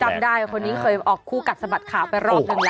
จำได้คนนี้เคยออกคู่กัดสะบัดข่าวไปรอบนึงแล้ว